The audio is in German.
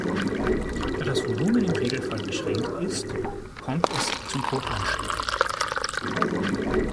Da das Volumen im Regelfall beschränkt ist, kommt es zum Druckanstieg.